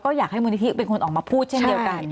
อยากให้มูลนิธิเป็นคนออกมาพูดเช่นเดียวกัน